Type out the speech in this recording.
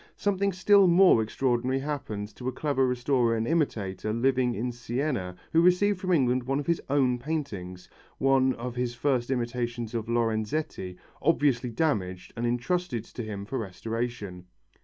Something still more extraordinary happened to a clever restorer and imitator living in Siena who received from England one of his own paintings one of his first imitations of Lorenzetti obviously damaged and entrusted to him for restoration.